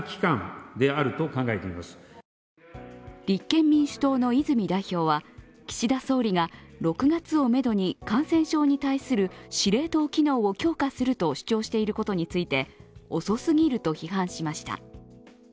立憲民主党の泉代表は岸田総理が６月をめどに感染症に対する司令塔機能を強化すると主張していることについて遅すぎると批判しました。